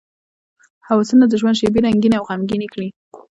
هوسونه د ژوند شېبې رنګینې او غمګینې کړي.